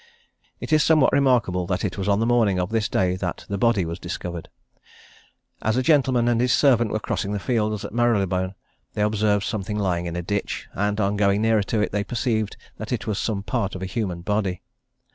It is somewhat remarkable that it was on the morning of this day that the body was discovered. As a gentleman and his servant were crossing the fields at Marylebone, they observed something lying in a ditch, and, on going nearer to it, they perceived that it was some parts of a human body.